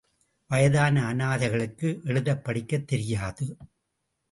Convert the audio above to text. வயதான அனாதைகளுக்கு எழுதப் படிக்கத் தெரியாது.